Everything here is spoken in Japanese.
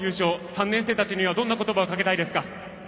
３年生たちにはどんな言葉をかけたいですか？